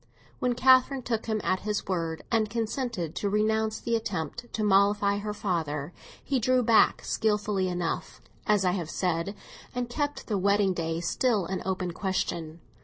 When Catherine took him at his word and consented to renounce the attempt to mollify her father, he drew back skilfully enough, as I have said, and kept the wedding day still an open question.